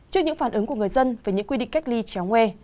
trước những phản ứng của người dân về những quy định cách ly chéo ngue